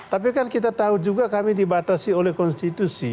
tapi kan kita tahu juga kami dibatasi oleh konstitusi